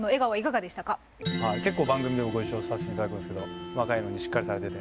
結構番組でもご一緒させていただくんですけど若いのにしっかりされてて。